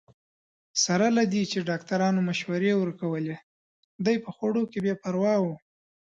سره له دې چې ډاکټرانو مشورې ورکولې، دی په خوړو کې بې پروا وو.